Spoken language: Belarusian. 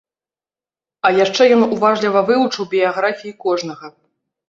А яшчэ ён уважліва вывучыў біяграфіі кожнага.